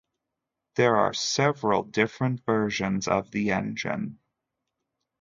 There are several different versions of the engine.